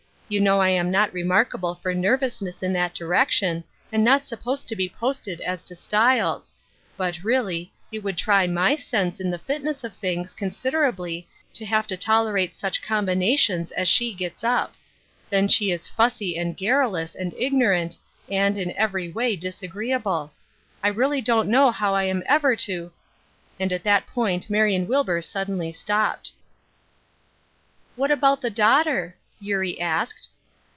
You know I am not remarkable for nervousness in that direction, and not supposed to be posted as to styles ; but reallv. it would try my sense of the fitness of f^O Ruth Ihskines Crosses, things considerably to have to tolerate such combinations as she gets up. Then she is fussy and garrulous and ignorant, and, in every way, disagreeable. I really don't know how I am ever to —" And at that point Marion Wilbur suddenly stopped. " What about the daughter ?" Eurie asked.